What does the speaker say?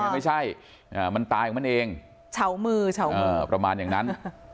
ไม่ใช่มันตายของมันเองประมาณอย่างนั้น